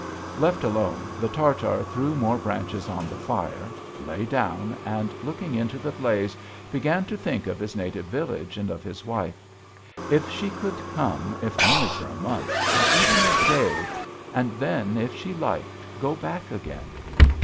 Left alone, the Tartar threw more branches on the fire, lay down, and, looking into the blaze, began to think of his native village and of his wife; if she could come if only for a month, or even a day, and then, if she liked, go back again!